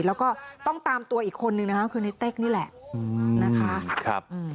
แล้วก็ต้องตามตัวอีกคนนึงนะครับคือในเต็กนี่แหละ